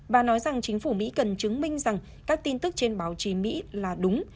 bà nói rằng chính phủ mỹ cần chứng minh rằng các tin tức trên báo chí mỹ là đúng